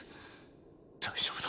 大丈夫だ。